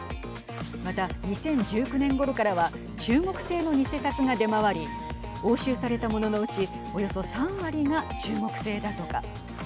また、２０１９年ごろからは中国製の偽札が出回り押収されたもののうちおよそ３割が中国製だとか。